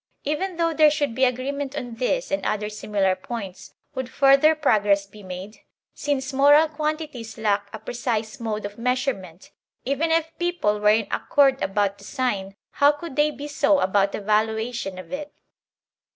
Even though there should be agreement on these and other similar points, would further progress be made ? Since moral quantities lack a precise mode of measure ment, even if people were in accord about the sign, how could they be so about the valuation of it?